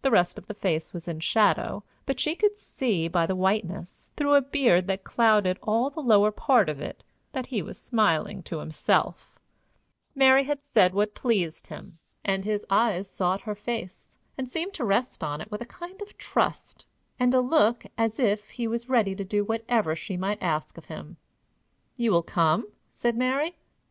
The rest of the face was in shadow, but she could see by the whiteness, through a beard that clouded all the lower part of it, that he was smiling to himself: Mary had said what pleased him, and his eyes sought her face, and seemed to rest on it with a kind of trust, and a look as if he was ready to do whatever she might ask of him. "You will come?" said Mary.